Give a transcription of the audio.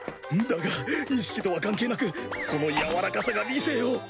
だが意識とは関係なくこの柔らかさが理性を。